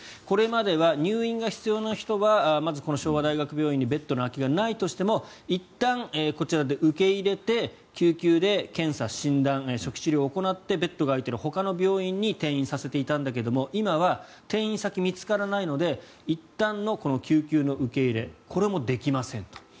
これまでは入院が必要な人は昭和大学病院にベッドの空きがないとしてもいったんこちらで受け入れて救急で検査・診断初期治療を行ってベッドが空いているほかの病院に転院させていたんだけど今は転院先が見つからないのでいったんの救急の受け入れこれもできませんと。